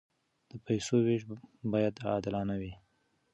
د پیسو وېش باید عادلانه وي.